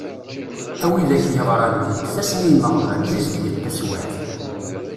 A widak yeɣran, beddet-asen i yimeɣban, zizdeget taswiɛt.